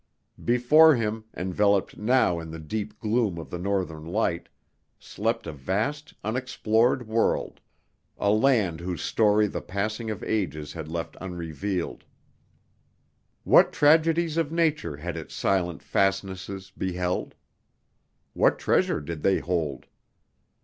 Before him, enveloped now in the deep gloom of the northern night, slept a vast unexplored world, a land whose story the passing of ages had left unrevealed. What tragedies of nature had its silent fastnesses beheld? What treasure did they hold?